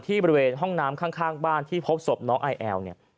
ที่บริเวณห้องน้ำข้างบ้านที่พบสบน้องไอแอล